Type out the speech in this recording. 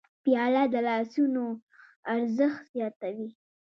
پیاله د لاسونو ارزښت زیاتوي.